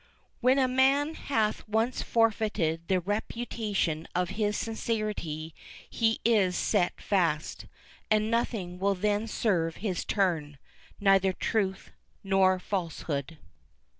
"When a man hath once forfeited the reputation of his sincerity he is set fast, and nothing will then serve his turn, neither truth nor falsehood."